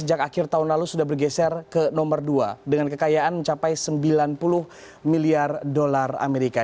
sejak akhir tahun lalu sudah bergeser ke nomor dua dengan kekayaan mencapai sembilan puluh miliar dolar amerika